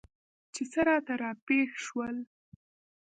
چې څه راته راپېښ شول؟